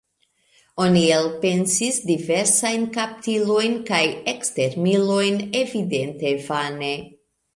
Oni elpensis diversajn kaptilojn kaj ekstermilojn, evidente vane.